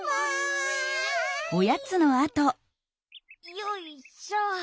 よいしょ。